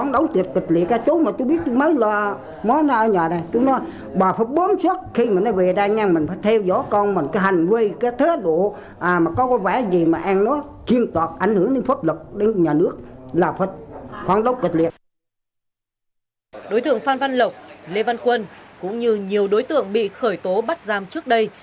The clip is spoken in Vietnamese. đối tượng phan văn lộc lê văn quân cũng như nhiều đối tượng bị khởi tố bắt giam trước đây